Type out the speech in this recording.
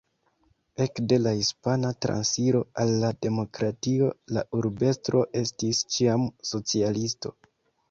Ekde la Hispana Transiro al la demokratio la urbestro estis ĉiam socialisto.